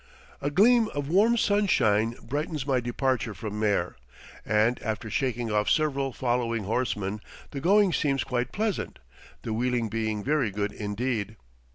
A gleam of warm sunshine brightens my departure from Mehr, and after shaking off several following horsemen, the going seems quite pleasant, the wheeling being very good indeed.